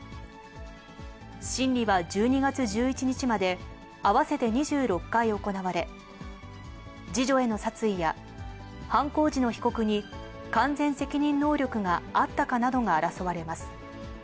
審理は１２月１１日まで、合わせて２６回行われ、次女への殺意や、犯行時の被告に完全責任能力があったかなどが争われます。